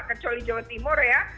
terutama jawa timur ya